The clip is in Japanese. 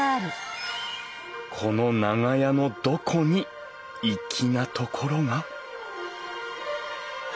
この長屋のどこに粋なところが？